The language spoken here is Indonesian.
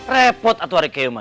repot atuh hari kayaknya pak